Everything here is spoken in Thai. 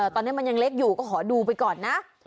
ตอนนี้มันยังเล็กอยู่ก็ขอดูไปก่อนนะ